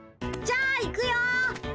じゃあいくよ！